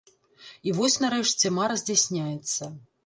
І вось, нарэшце, мара здзяйсняецца.